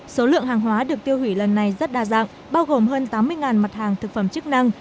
số lượng hàng hóa được tiêu hủy lần này rất đa dạng bao gồm hơn tám mươi mặt hàng thực phẩm chức năng